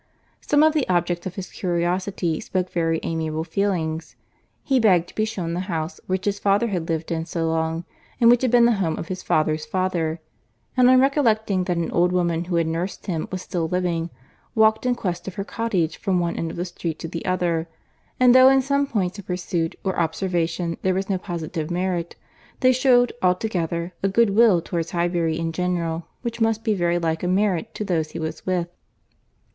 Some of the objects of his curiosity spoke very amiable feelings. He begged to be shewn the house which his father had lived in so long, and which had been the home of his father's father; and on recollecting that an old woman who had nursed him was still living, walked in quest of her cottage from one end of the street to the other; and though in some points of pursuit or observation there was no positive merit, they shewed, altogether, a good will towards Highbury in general, which must be very like a merit to those he was with.